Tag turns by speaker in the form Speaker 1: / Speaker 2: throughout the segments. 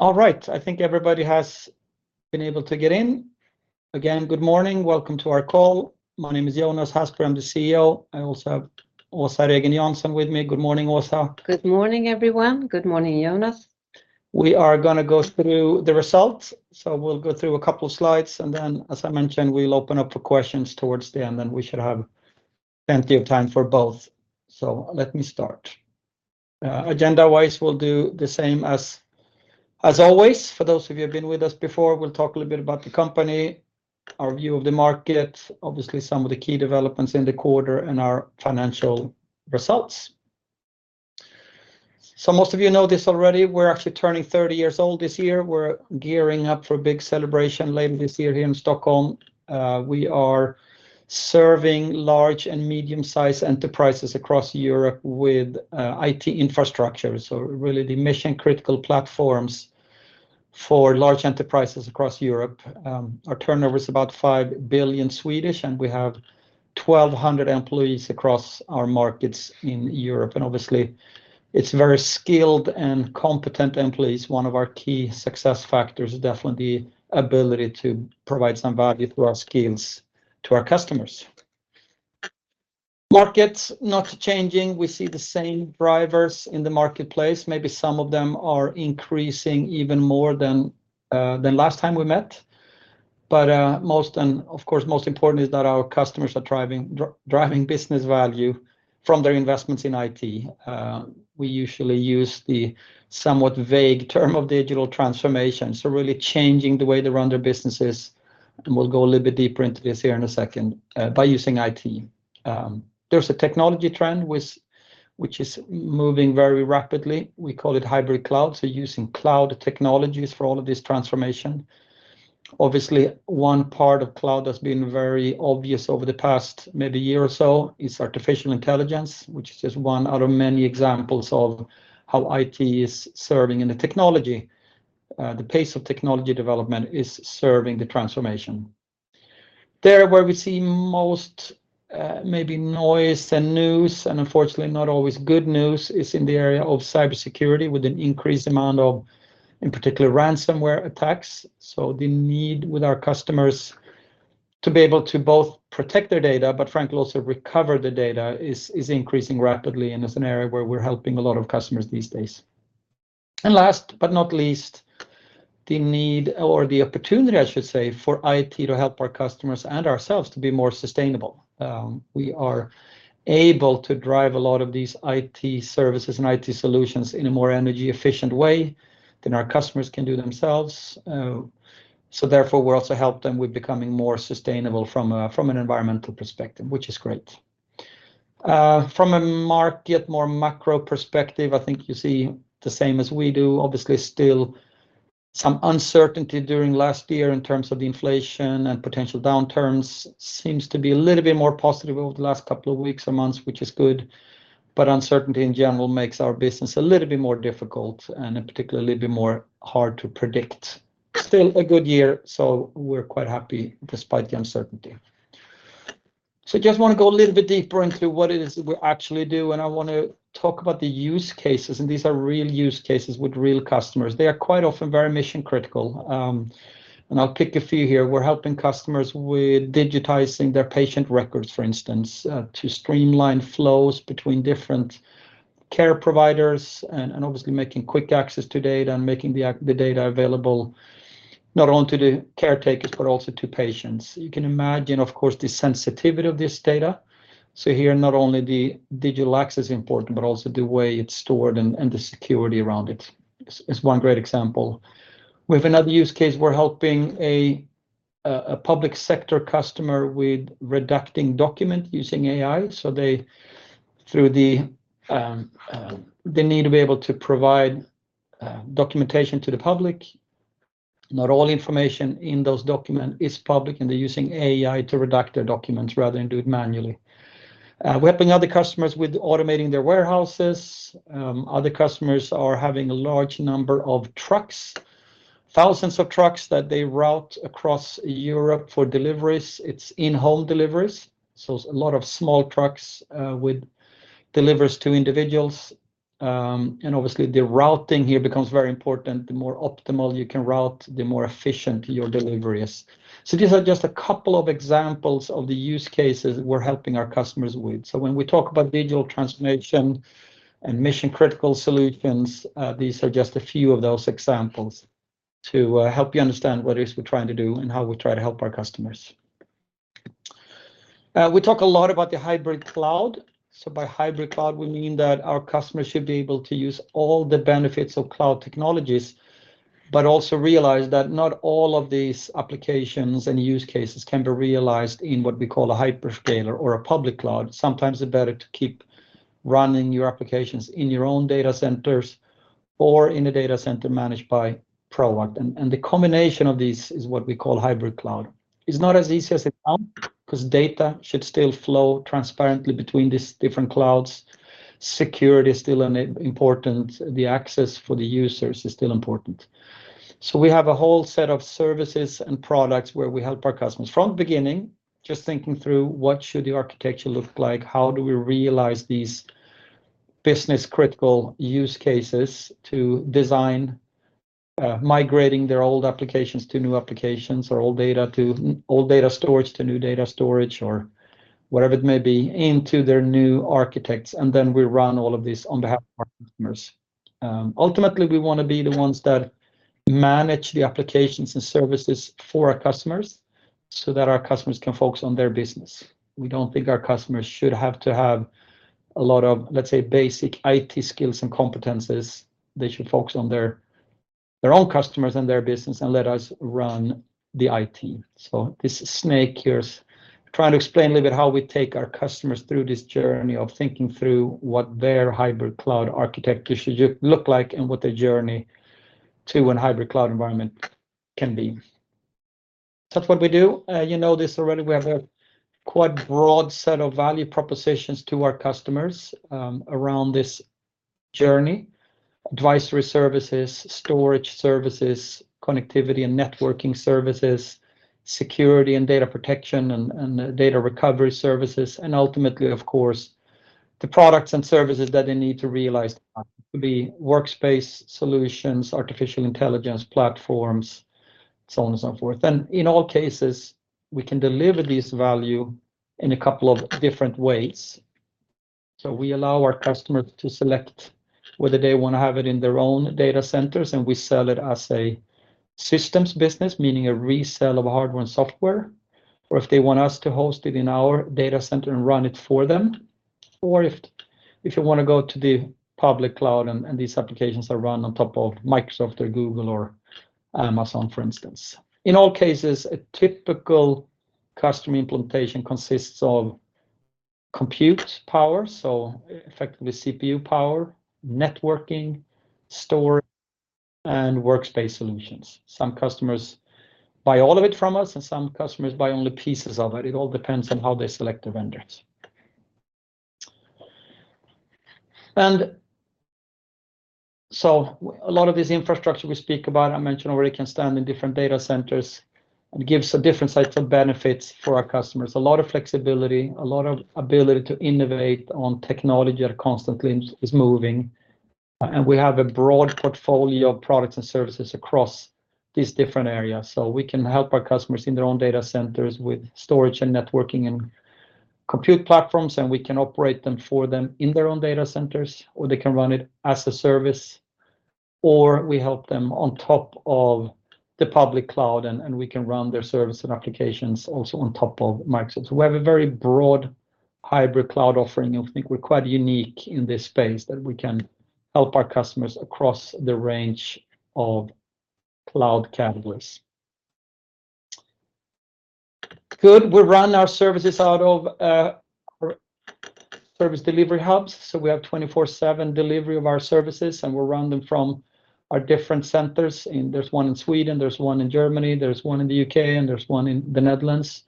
Speaker 1: All right, I think everybody has been able to get in. Again, good morning. Welcome to our call. My name is Jonas Hasselberg, I'm the CEO. I also have Åsa Regen Jansson with me. Good morning, Åsa.
Speaker 2: Good morning, everyone. Good morning, Jonas.
Speaker 1: We are gonna go through the results. So we'll go through a couple of slides, and then, as I mentioned, we'll open up for questions towards the end, and we should have plenty of time for both. So let me start. Agenda-wise, we'll do the same as always. For those of you who have been with us before, we'll talk a little bit about the company, our view of the market, obviously, some of the key developments in the quarter, and our financial results. So most of you know this already, we're actually turning 30 years old this year. We're gearing up for a big celebration later this year here in Stockholm. We are serving large and medium-sized enterprises across Europe with IT infrastructure. So really, the mission-critical platforms for large enterprises across Europe. Our turnover is about 5 billion, and we have 1,200 employees across our markets in Europe. Obviously, it's very skilled and competent employees. One of our key success factors is definitely the ability to provide some value through our skills to our customers. Markets not changing. We see the same drivers in the marketplace. Maybe some of them are increasing even more than last time we met. But most, and of course, most important is that our customers are driving business value from their investments in IT. We usually use the somewhat vague term of digital transformation, so really changing the way they run their businesses, and we'll go a little bit deeper into this here in a second by using IT. There's a technology trend, which is moving very rapidly. We call it hybrid cloud, so using cloud technologies for all of this transformation. Obviously, one part of cloud that's been very obvious over the past maybe year or so, is artificial intelligence, which is just one out of many examples of how IT is serving, and the technology, the pace of technology development is serving the transformation. There, where we see most, maybe noise and news, and unfortunately, not always good news, is in the area of cybersecurity, with an increased amount of, in particular, ransomware attacks. So the need with our customers to be able to both protect their data, but frankly, also recover the data, is, is increasing rapidly and is an area where we're helping a lot of customers these days. Last but not least, the need, or the opportunity, I should say, for IT to help our customers and ourselves to be more sustainable. We are able to drive a lot of these IT services and IT solutions in a more energy-efficient way than our customers can do themselves. So therefore, we also help them with becoming more sustainable from an environmental perspective, which is great. From a market, more macro perspective, I think you see the same as we do. Obviously, still some uncertainty during last year in terms of the inflation and potential downturns. Seems to be a little bit more positive over the last couple of weeks or months, which is good, but uncertainty in general makes our business a little bit more difficult and particularly a little bit more hard to predict. Still a good year, so we're quite happy despite the uncertainty. So just wanna go a little bit deeper into what it is we actually do, and I wanna talk about the use cases, and these are real use cases with real customers. They are quite often very mission-critical, and I'll pick a few here. We're helping customers with digitizing their patient records, for instance, to streamline flows between different care providers and obviously making quick access to data and making the data available not only to the caretakers, but also to patients. You can imagine, of course, the sensitivity of this data. So here, not only the digital access is important, but also the way it's stored and the security around it. It's one great example. We have another use case. We're helping a public sector customer with redacting documents using AI. So they need to be able to provide documentation to the public. Not all information in those documents is public, and they're using AI to redact their documents rather than do it manually. We're helping other customers with automating their warehouses. Other customers are having a large number of trucks, thousands of trucks that they route across Europe for deliveries. It's in-home deliveries, so a lot of small trucks with deliveries to individuals. And obviously, the routing here becomes very important. The more optimal you can route, the more efficient your delivery is. So these are just a couple of examples of the use cases we're helping our customers with. So when we talk about digital transformation and mission-critical solutions, these are just a few of those examples to help you understand what it is we're trying to do and how we try to help our customers. We talk a lot about the hybrid cloud. So by hybrid cloud, we mean that our customers should be able to use all the benefits of cloud technologies, but also realize that not all of these applications and use cases can be realized in what we call a hyperscaler or a public cloud. Sometimes it's better to keep running your applications in your own data centers or in a data center managed by Proact, and the combination of these is what we call hybrid cloud. It's not as easy as it sounds because data should still flow transparently between these different clouds. Security is still an important. The access for the users is still important. So we have a whole set of services and products where we help our customers from the beginning, just thinking through what should the architecture look like? How do we realize these business-critical use cases to design, migrating their old applications to new applications, or old data to, old data storage to new data storage, or whatever it may be, into their new architectures, and then we run all of this on behalf of our customers. Ultimately, we want to be the ones that manage the applications and services for our customers so that our customers can focus on their business. We don't think our customers should have to have a lot of, let's say, basic IT skills and competences. They should focus on their, their own customers and their business and let us run the IT. So this snake here is trying to explain a little bit how we take our customers through this journey of thinking through what their hybrid cloud architecture should look like and what their journey to a hybrid cloud environment can be. That's what we do. You know this already, we have a quite broad set of value propositions to our customers, around this journey. Advisory services, storage services, connectivity and networking services, security and data protection and, and data recovery services, and ultimately, of course, the products and services that they need to realize the workspace solutions, artificial intelligence platforms, so on and so forth. And in all cases, we can deliver this value in a couple of different ways. So we allow our customer to select whether they want to have it in their own data centers, and we sell it as a systems business, meaning a resale of hardware and software, or if they want us to host it in our data center and run it for them, or if you want to go to the public cloud and these applications are run on top of Microsoft or Google or Amazon, for instance. In all cases, a typical customer implementation consists of compute power, so effectively, CPU power, networking, storage, and workspace solutions. Some customers buy all of it from us, and some customers buy only pieces of it. It all depends on how they select the vendors. And so a lot of this infrastructure we speak about, I mentioned already, can stand in different data centers and gives a different set of benefits for our customers. A lot of flexibility, a lot of ability to innovate on technology that constantly is, is moving, and we have a broad portfolio of products and services across these different areas. So we can help our customers in their own data centers with storage and networking and compute platforms, and we can operate them for them in their own data centers, or they can run it as a service, or we help them on top of the public cloud, and, and we can run their service and applications also on top of Microsoft. So we have a very broad hybrid cloud offering, and we think we're quite unique in this space, that we can help our customers across the range of cloud catalysts. Good. We run our services out of service delivery hubs, so we have 24/7 delivery of our services, and we run them from our different centers. There's one in Sweden, there's one in Germany, there's one in the U.K., and there's one in the Netherlands.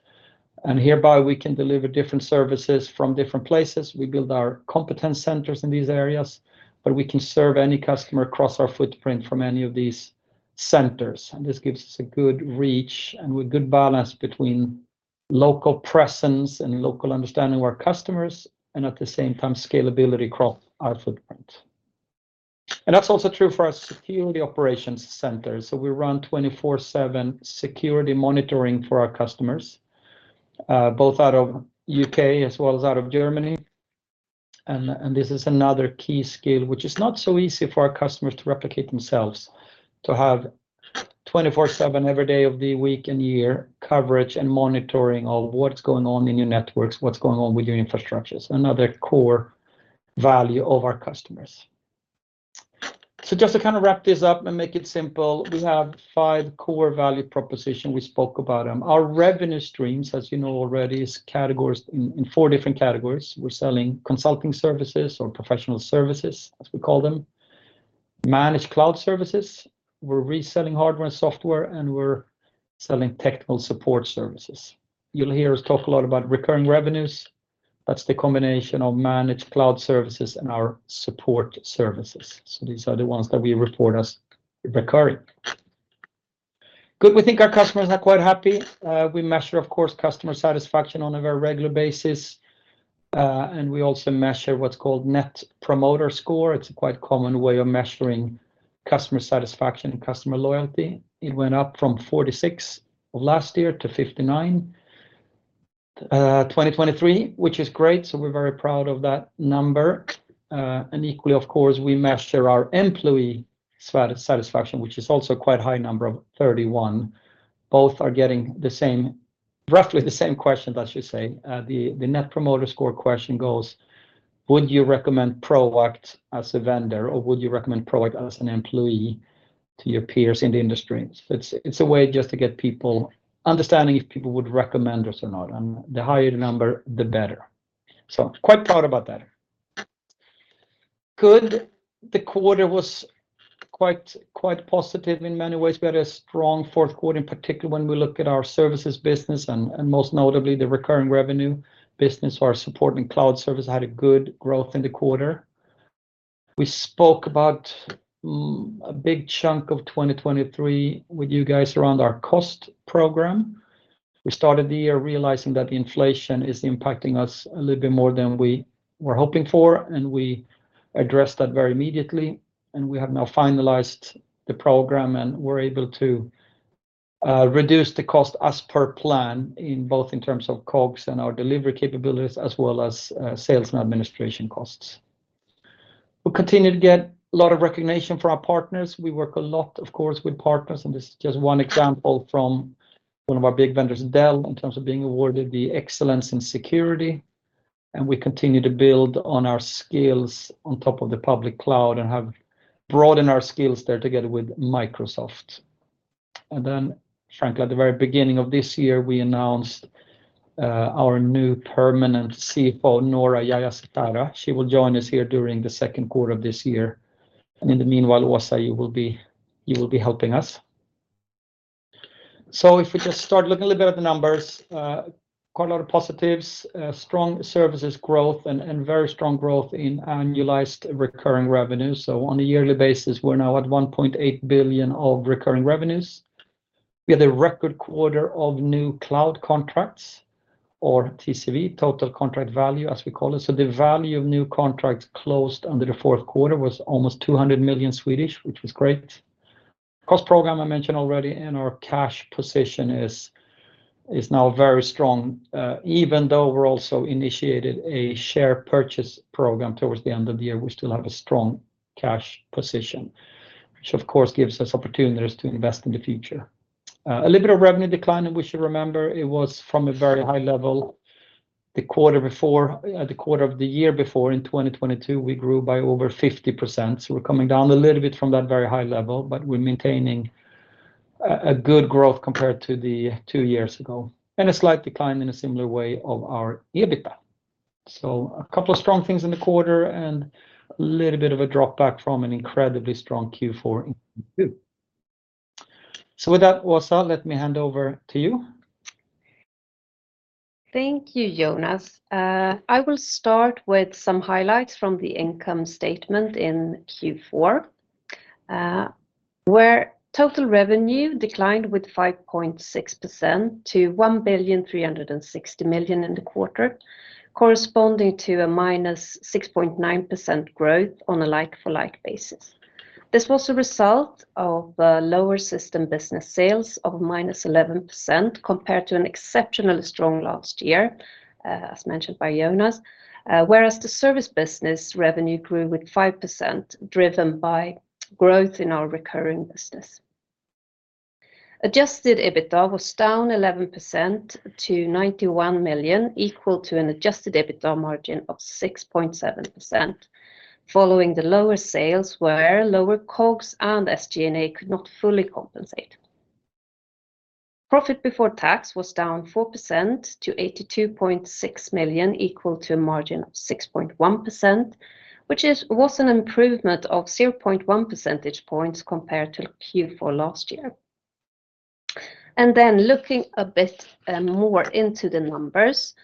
Speaker 1: Hereby, we can deliver different services from different places. We build our competence centers in these areas, but we can serve any customer across our footprint from any of these centers. This gives us a good reach and a good balance between local presence and local understanding of our customers and, at the same time, scalability across our footprint. That's also true for our security operations center. So we run 24/7 security monitoring for our customers, both out of U.K. as well as out of Germany. This is another key skill, which is not so easy for our customers to replicate themselves, to have 24/7, every day of the week and year, coverage and monitoring of what's going on in your networks, what's going on with your infrastructures, another core value of our customers. So just to kind of wrap this up and make it simple, we have 5 core value proposition. We spoke about them. Our revenue streams, as you know already, is categories, in four different categories. We're selling consulting services or professional services, as we call them, managed cloud services, we're reselling hardware and software, and we're selling technical support services. You'll hear us talk a lot about recurring revenues. That's the combination of managed cloud services and our support services. So these are the ones that we report as recurring. Good. We think our customers are quite happy. We measure, of course, customer satisfaction on a very regular basis, and we also measure what's called Net Promoter Score. It's a quite common way of measuring customer satisfaction and customer loyalty. It went up from 46 of last year to 59, 2023, which is great, so we're very proud of that number. And equally, of course, we measure our employee satisfaction, which is also quite high number of 31. Both are getting roughly the same questions, I should say. The Net Promoter Score question goes, "Would you recommend Proact as a vendor, or would you recommend Proact as an employee to your peers in the industry?" It's a way just to get people... Understanding if people would recommend us or not, and the higher the number, the better. So quite proud about that. Good. The quarter was quite, quite positive in many ways. We had a strong fourth quarter, in particular, when we look at our services business and most notably, the recurring revenue business. Our support and cloud service had a good growth in the quarter. We spoke about a big chunk of 2023 with you guys around our cost program. We started the year realizing that inflation is impacting us a little bit more than we were hoping for, and we addressed that very immediately, and we have now finalized the program, and we're able to reduce the cost as per plan in both in terms of COGS and our delivery capabilities, as well as sales and administration costs. We continue to get a lot of recognition for our partners. We work a lot, of course, with partners, and this is just one example from one of our big vendors, Dell, in terms of being awarded the Excellence in Security. We continue to build on our skills on top of the public cloud and have broadened our skills there together with Microsoft. Then, frankly, at the very beginning of this year, we announced our new permanent CFO, Noora Jayasekara. She will join us here during the second quarter of this year, and in the meanwhile, Åsa, you will be, you will be helping us. So if we just start looking a little bit at the numbers, quite a lot of positives, strong services growth and very strong growth in annualized recurring revenue. So on a yearly basis, we're now at 1.8 billion of recurring revenues. We had a record quarter of new cloud contracts or TCV, Total Contract Value, as we call it. So the value of new contracts closed under the fourth quarter was almost 200 million, which was great. Cost program, I mentioned already, and our cash position is now very strong. Even though we're also initiated a share purchase program towards the end of the year, we still have a strong cash position, which of course, gives us opportunities to invest in the future. A little bit of revenue decline, and we should remember it was from a very high level the quarter before, the quarter of the year before. In 2022, we grew by over 50%, so we're coming down a little bit from that very high level, but we're maintaining a good growth compared to the two years ago, and a slight decline in a similar way of our EBITDA. So a couple of strong things in the quarter and a little bit of a drop back from an incredibly strong Q4 in 2022. So with that, Åsa, let me hand over to you.
Speaker 2: Thank you, Jonas. I will start with some highlights from the income statement in Q4, where total revenue declined with 5.6% to 1,360 million in the quarter, corresponding to a -6.9% growth on a like-for-like basis. This was a result of lower system business sales of -11%, compared to an exceptionally strong last year, as mentioned by Jonas. Whereas the service business revenue grew with 5%, driven by growth in our recurring business. Adjusted EBITDA was down 11% to 91 million, equal to an adjusted EBITDA margin of 6.7%, following the lower sales, where lower COGS and SG&A could not fully compensate. Profit before tax was down 4% to 82.6 million, equal to a margin of 6.1%, which is, was an improvement of 0.1 percentage points compared to Q4 last year. Looking a bit more into the numbers,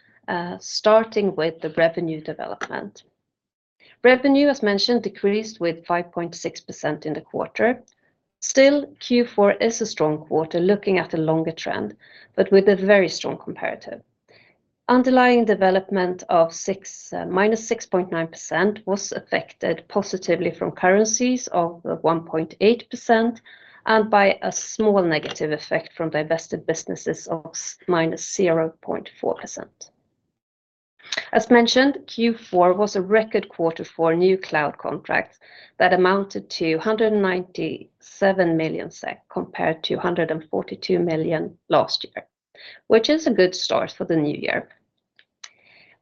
Speaker 2: starting with the revenue development. Revenue, as mentioned, decreased with 5.6% in the quarter. Still, Q4 is a strong quarter, looking at a longer trend, but with a very strong comparative. Underlying development of minus 6.9% was affected positively from currencies of 1.8% and by a small negative effect from divested businesses of -0.4%. As mentioned, Q4 was a record quarter for new cloud contracts that amounted to 197 million SEK, compared to 142 million last year, which is a good start for the new year.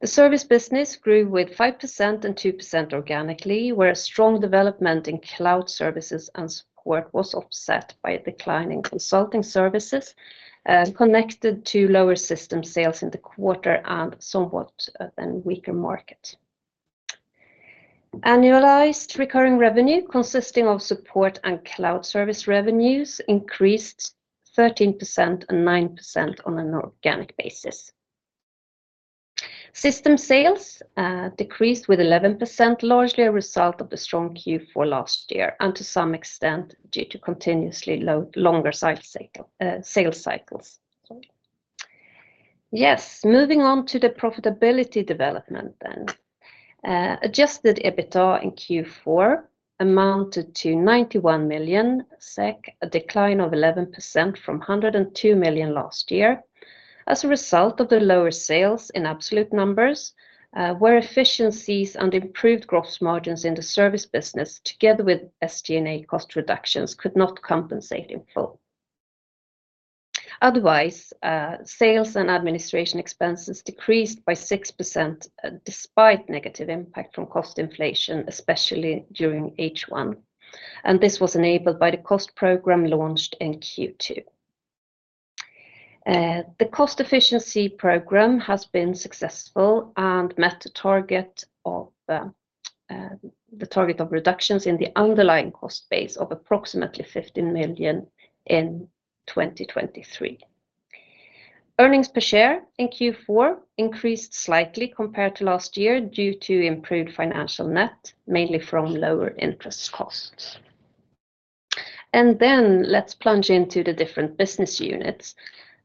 Speaker 2: The service business grew with 5% and 2% organically, where a strong development in cloud services and support was offset by a decline in consulting services, connected to lower system sales in the quarter and somewhat, then weaker market. Annualized recurring revenue, consisting of support and cloud service revenues, increased 13% and 9% on an organic basis. System sales, decreased with 11%, largely a result of the strong Q4 last year, and to some extent, due to continuously longer cycle, sales cycles. Yes, moving on to the profitability development then. Adjusted EBITDA in Q4 amounted to 91 million SEK, a decline of 11% from 102 million last year, as a result of the lower sales in absolute numbers, where efficiencies and improved gross margins in the service business, together with SG&A cost reductions, could not compensate in full. Otherwise, sales and administration expenses decreased by 6%, despite negative impact from cost inflation, especially during H1, and this was enabled by the cost program launched in Q2. The cost efficiency program has been successful and met the target of reductions in the underlying cost base of approximately 15 million in 2023. Earnings per share in Q4 increased slightly compared to last year due to improved financial net, mainly from lower interest costs. And then let's plunge into the different business units,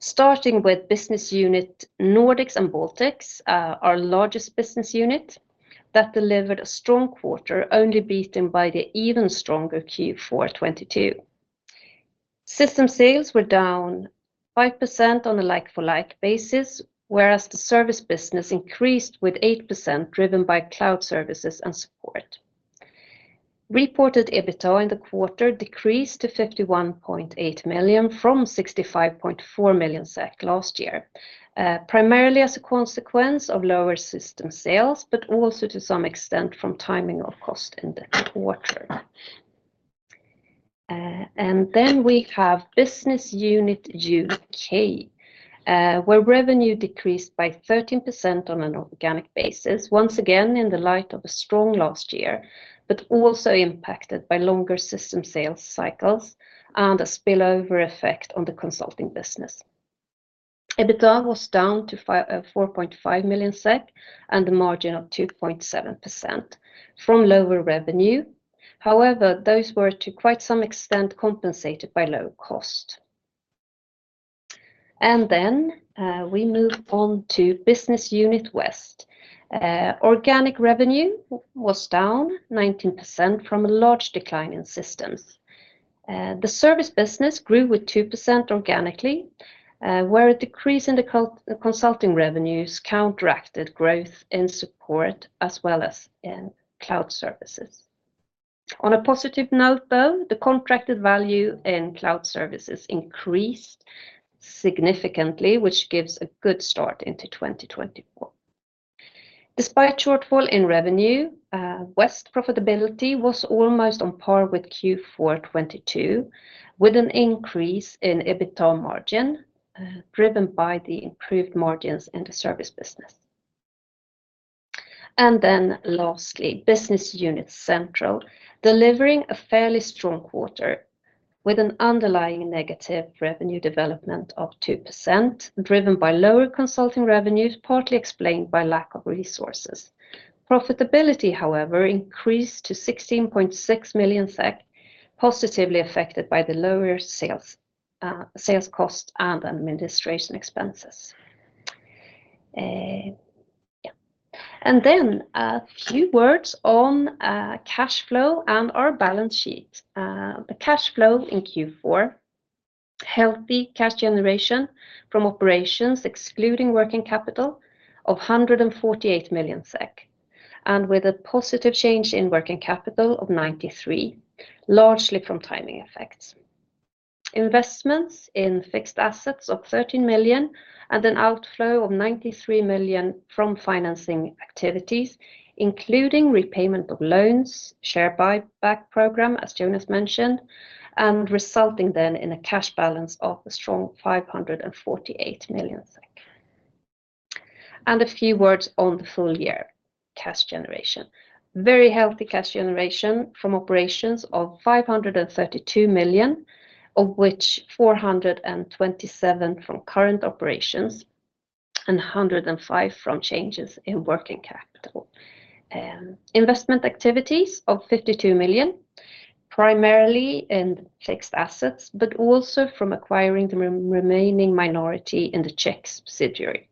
Speaker 2: starting with business unit Nordics and Baltics, our largest business unit that delivered a strong quarter, only beaten by the even stronger Q4 2022. System sales were down 5% on a like-for-like basis, whereas the service business increased with 8%, driven by cloud services and support. Reported EBITDA in the quarter decreased to 51.8 million from 65.4 million SEK last year, primarily as a consequence of lower system sales, but also to some extent from timing of cost in the quarter. And then we have business unit U.K., where revenue decreased by 13% on an organic basis, once again in the light of a strong last year, but also impacted by longer system sales cycles and a spillover effect on the consulting business. EBITDA was down to 4.5 million SEK and a margin of 2.7% from lower revenue. However, those were, to quite some extent, compensated by lower cost. Then we move on to business unit West. Organic revenue was down 19% from a large decline in systems. The service business grew with 2% organically, where a decrease in the consulting revenues counteracted growth in support as well as in cloud services. On a positive note, though, the contracted value in cloud services increased significantly, which gives a good start into 2024. Despite shortfall in revenue, West profitability was almost on par with Q4 2022, with an increase in EBITDA margin, driven by the improved margins in the service business. Then lastly, business unit Central, delivering a fairly strong quarter with an underlying negative revenue development of 2%, driven by lower consulting revenues, partly explained by lack of resources. Profitability, however, increased to 16.6 million SEK, positively affected by the lower sales, sales cost and administration expenses. Then a few words on cash flow and our balance sheet. The cash flow in Q4, healthy cash generation from operations, excluding working capital of 148 million SEK, and with a positive change in working capital of 93 million, largely from timing effects. Investments in fixed assets of 13 million and an outflow of 93 million from financing activities, including repayment of loans, share buyback program, as Jonas mentioned, and resulting then in a cash balance of a strong 548 million SEK. A few words on the full year cash generation. Very healthy cash generation from operations of 532 million, of which 427 from current operations and 105 from changes in working capital. Investment activities of 52 million, primarily in fixed assets, but also from acquiring the remaining minority in the Czech subsidiary.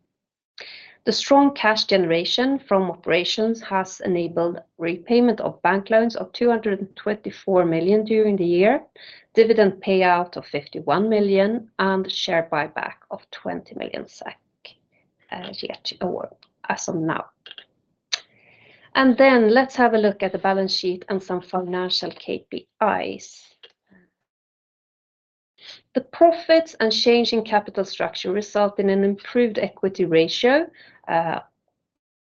Speaker 2: The strong cash generation from operations has enabled repayment of bank loans of 224 million during the year, dividend payout of 51 million, and share buyback of 20 million SEK as of now. And then let's have a look at the balance sheet and some financial KPIs. The profits and change in capital structure result in an improved equity ratio,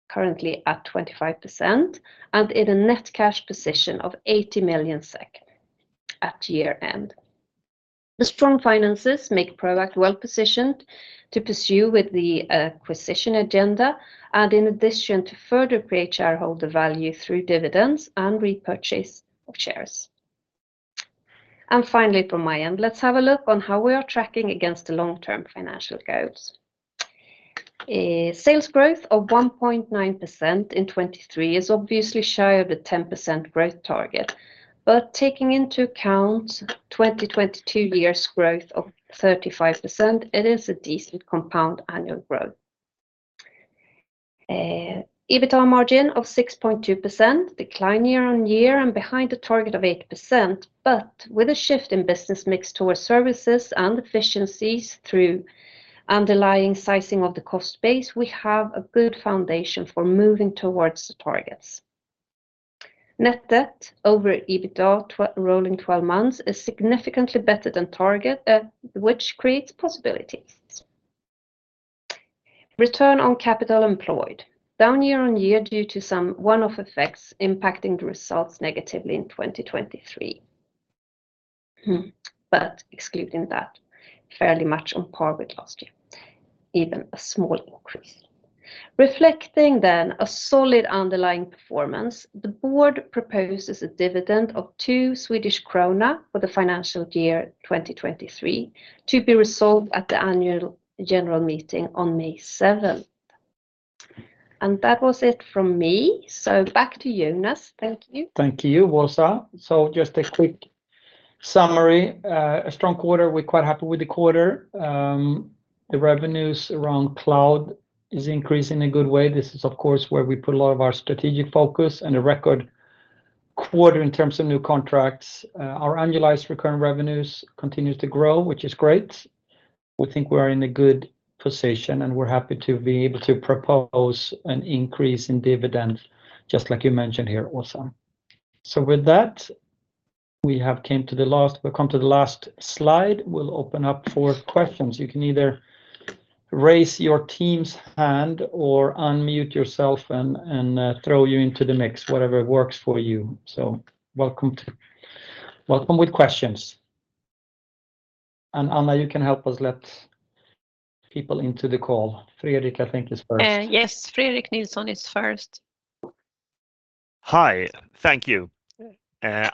Speaker 2: currently at 25%, and in a net cash position of 80 million SEK at year-end. The strong finances make Proact well-positioned to pursue with the acquisition agenda and in addition to further create shareholder value through dividends and repurchase of shares. Finally, from my end, let's have a look on how we are tracking against the long-term financial goals. A sales growth of 1.9% in 2023 is obviously shy of the 10% growth target, but taking into account 2022's growth of 35%, it is a decent compound annual growth. EBITDA margin of 6.2%, decline year-on-year and behind the target of 8%, but with a shift in business mix towards services and efficiencies through underlying sizing of the cost base, we have a good foundation for moving towards the targets. Net debt over EBITDA two rolling twelve months is significantly better than target, which creates possibilities. Return on capital employed, down year-on-year due to some one-off effects impacting the results negatively in 2023. But excluding that, fairly much on par with last year, even a small increase. Reflecting then a solid underlying performance, the board proposes a dividend of 2 Swedish krona for the financial year 2023 to be resolved at the Annual General Meeting on May 7. That was it from me, so back to Jonas. Thank you.
Speaker 1: Thank you, Åsa. So just a quick summary, a strong quarter. We're quite happy with the quarter. The revenues around cloud is increasing in a good way. This is, of course, where we put a lot of our strategic focus, and a record quarter in terms of new contracts. Our annualized recurring revenues continues to grow, which is great. We think we're in a good position, and we're happy to be able to propose an increase in dividend, just like you mentioned here, Åsa. So with that, we've come to the last slide. We'll open up for questions. You can either raise your team's hand or unmute yourself and throw you into the mix, whatever works for you. So welcome with questions. Anna, you can help us let people into the call. Fredrik, I think, is first.
Speaker 2: Yes, Fredrik Nilsson is first.
Speaker 3: Hi. Thank you.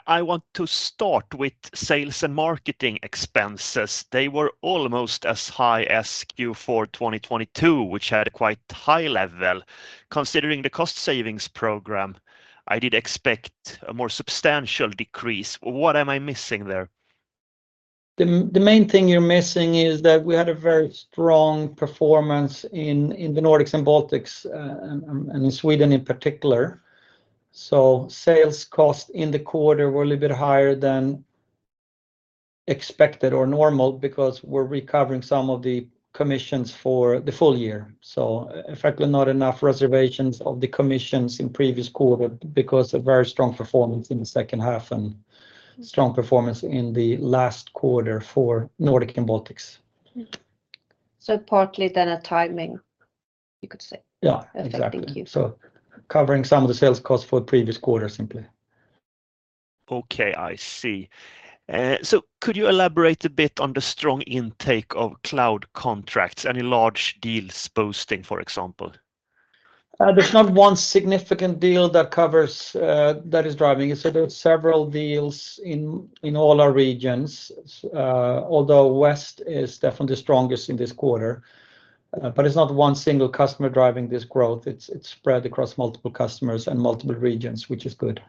Speaker 3: I want to start with sales and marketing expenses. They were almost as high as Q4 2022, which had a quite high level. Considering the cost savings program, I did expect a more substantial decrease. What am I missing there?
Speaker 1: The main thing you're missing is that we had a very strong performance in the Nordics and Baltics, and in Sweden in particular. So sales costs in the quarter were a little bit higher than expected or normal because we're recovering some of the commissions for the full year. So effectively, not enough reservations of the commissions in previous quarter because of very strong performance in the second half and strong performance in the last quarter for Nordics and Baltics.
Speaker 2: Partly then a timing, you could say?
Speaker 1: Yeah, exactly.
Speaker 2: Affecting you.
Speaker 1: Covering some of the sales costs for the previous quarter, simply.
Speaker 3: Okay, I see. So could you elaborate a bit on the strong intake of cloud contracts? Any large deals boasting, for example?
Speaker 1: There's not one significant deal that covers, that is driving it. So there are several deals in all our regions, although West is definitely the strongest in this quarter. But it's not one single customer driving this growth. It's spread across multiple customers and multiple regions, which is good.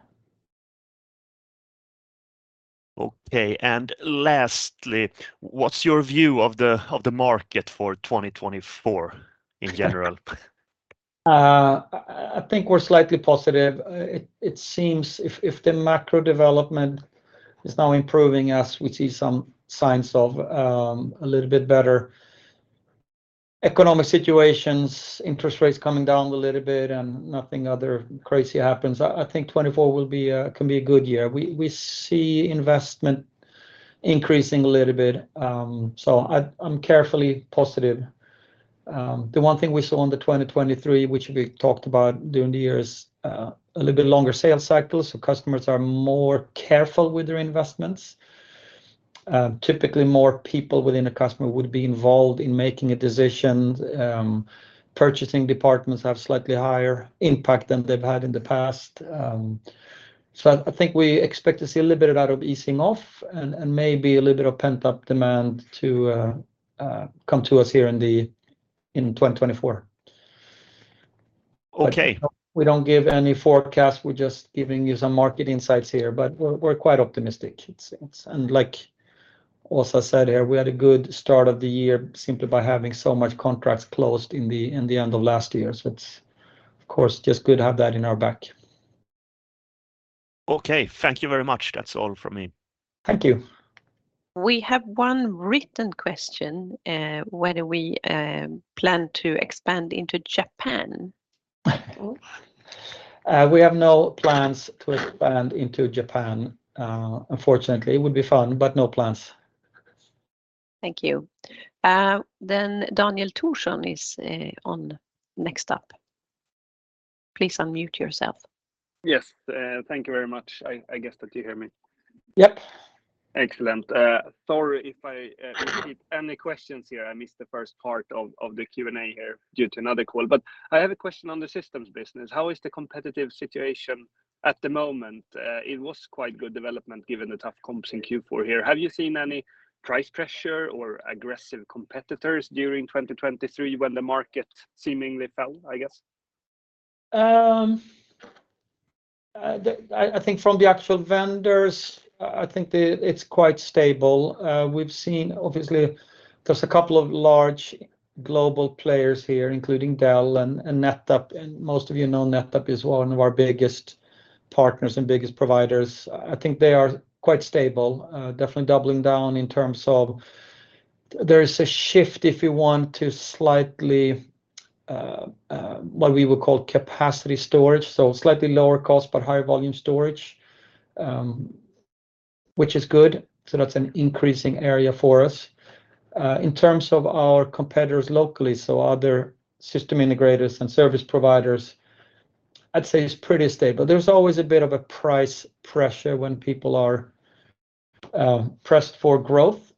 Speaker 3: Okay, and lastly, what's your view of the market for 2024 in general?
Speaker 1: I think we're slightly positive. It seems if the macro development is now improving, as we see some signs of a little bit better economic situations, interest rates coming down a little bit, and nothing other crazy happens, I think 2024 will be can be a good year. We see investment increasing a little bit. So I'm carefully positive. The one thing we saw on the 2023, which we talked about during the year, is a little bit longer sales cycle, so customers are more careful with their investments. Typically, more people within a customer would be involved in making a decision. Purchasing departments have slightly higher impact than they've had in the past. I think we expect to see a little bit of that easing off and maybe a little bit of pent-up demand to come to us here in 2024.
Speaker 3: Okay.
Speaker 1: We don't give any forecast. We're just giving you some market insights here, but we're quite optimistic, it seems. Like Åsa said here, we had a good start of the year simply by having so much contracts closed in the end of last year. It's, of course, just good to have that in our back.
Speaker 3: Okay, thank you very much. That's all from me.
Speaker 1: Thank you.
Speaker 2: We have one written question, whether we plan to expand into Japan.
Speaker 1: We have no plans to expand into Japan, unfortunately. It would be fun, but no plans.
Speaker 2: Thank you. Then Daniel Thorsson is on next up. Please unmute yourself.
Speaker 4: Yes, thank you very much. I guess that you hear me.
Speaker 1: Yep.
Speaker 4: Excellent. Sorry if I missed any questions here. I missed the first part of the Q&A here due to another call. But I have a question on the systems business. How is the competitive situation at the moment? It was quite good development given the tough comps in Q4 here. Have you seen any price pressure or aggressive competitors during 2023, when the market seemingly fell, I guess?
Speaker 1: I think from the actual vendors, I think it's quite stable. We've seen, obviously, there's a couple of large global players here, including Dell and NetApp, and most of you know NetApp is one of our biggest partners and biggest providers. I think they are quite stable, definitely doubling down in terms of there is a shift, if you want, to slightly what we would call capacity storage, so slightly lower cost, but higher volume storage, which is good. So that's an increasing area for us. In terms of our competitors locally, so other system integrators and service providers, I'd say it's pretty stable. There's always a bit of a price pressure when people are pressed for growth.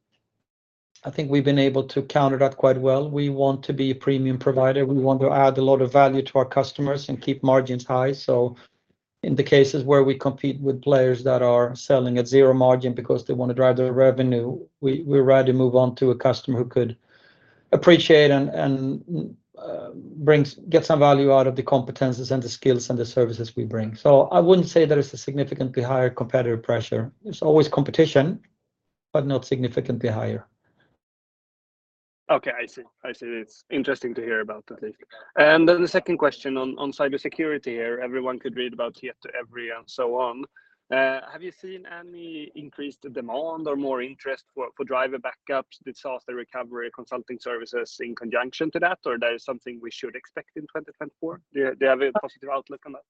Speaker 1: I think we've been able to counter that quite well. We want to be a premium provider. We want to add a lot of value to our customers and keep margins high. So in the cases where we compete with players that are selling at zero margin because they wanna drive their revenue, we're ready to move on to a customer who could appreciate and get some value out of the competencies and the skills and the services we bring. So I wouldn't say there is a significantly higher competitive pressure. There's always competition, but not significantly higher.
Speaker 4: Okay, I see. I see. It's interesting to hear about that. And then the second question on cybersecurity here. Everyone could read about the threat every and so on. Have you seen any increased demand or more interest for data backups, disaster recovery, consulting services in conjunction to that, or that is something we should expect in 2024? Do you have a positive outlook on that?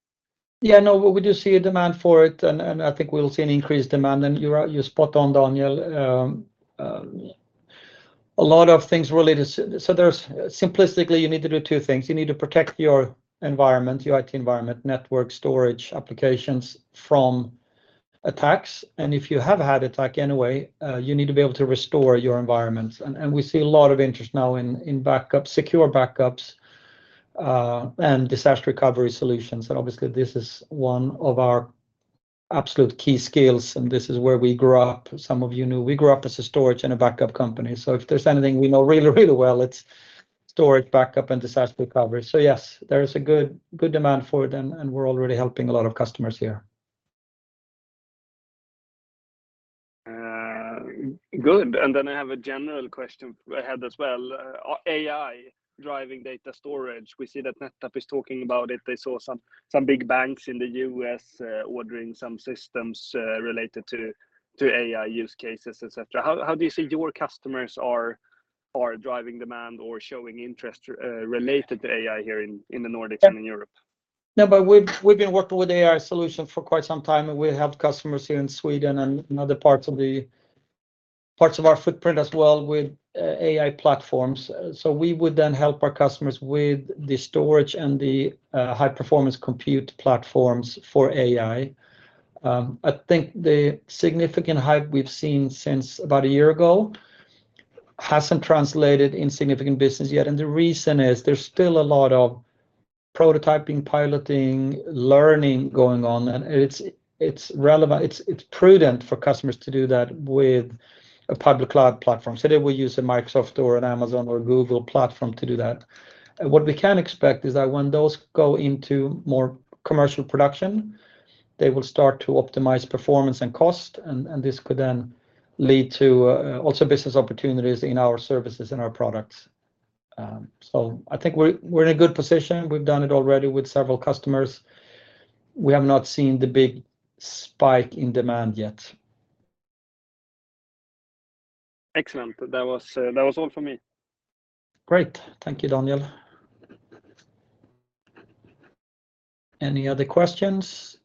Speaker 1: Yeah, no, we do see a demand for it, and I think we'll see an increased demand. And you're spot on, Daniel. A lot of things related... So there's simplistically, you need to do two things. You need to protect your environment, your IT environment, network, storage, applications from attacks. And if you have had attack anyway, you need to be able to restore your environment. And we see a lot of interest now in backups, secure backups, and disaster recovery solutions. And obviously, this is one of our absolute key skills, and this is where we grew up. Some of you knew, we grew up as a storage and a backup company. So if there's anything we know really, really well, it's storage, backup, and disaster recovery. So yes, there is a good, good demand for it, and, and we're already helping a lot of customers here.
Speaker 4: Good. And then I have a general question I had as well. AI driving data storage. We see that NetApp is talking about it. They saw some big banks in the U.S. ordering some systems related to AI use cases, et cetera. How do you see your customers are driving demand or showing interest related to AI here in the Nordics and in Europe?
Speaker 1: No, but we've, we've been working with AI solutions for quite some time, and we have customers here in Sweden and in other parts of the, parts of our footprint as well with AI platforms. So we would then help our customers with the storage and the high-performance compute platforms for AI. I think the significant hype we've seen since about a year ago hasn't translated in significant business yet, and the reason is there's still a lot of prototyping, piloting, learning going on, and it's, it's relevant. It's, it's prudent for customers to do that with a public cloud platform. So they will use a Microsoft or an Amazon or a Google platform to do that. What we can expect is that when those go into more commercial production, they will start to optimize performance and cost, and this could then lead to also business opportunities in our services and our products. So I think we're in a good position. We've done it already with several customers. We have not seen the big spike in demand yet.
Speaker 4: Excellent. That was, that was all for me.
Speaker 1: Great. Thank you, Daniel. Any other questions?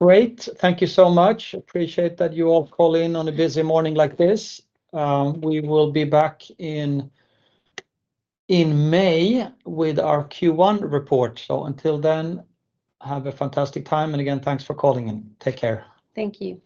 Speaker 1: Great. Thank you so much. Appreciate that you all call in on a busy morning like this. We will be back in May with our Q1 report. So until then, have a fantastic time, and again, thanks for calling in. Take care.
Speaker 2: Thank you.